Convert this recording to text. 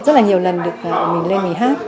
rất là nhiều lần được mình lên mình hát